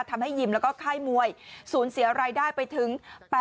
ทำให้ยิมแล้วก็ค่ายมวยสูญเสียรายได้ไปถึง